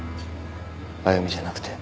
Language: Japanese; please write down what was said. あゆみじゃなくて。